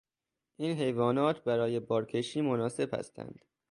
این حیوانات برای بارکشی مناسب هستند.